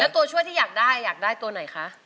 ตัวช่วยที่อยากได้อยากได้ตัวไหนคะ